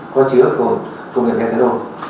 có chứa cồn cồn công nghiệp methanol